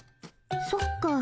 そっか。